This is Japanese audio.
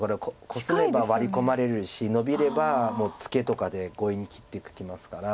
コスめばワリ込まれるしノビればもうツケとかで強引に切ってきますから。